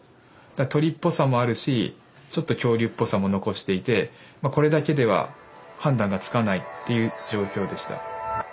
鳥っぽさもあるしちょっと恐竜っぽさも残していてこれだけでは判断がつかないっていう状況でした。